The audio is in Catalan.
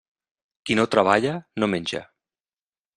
Qui no treballa, no menja.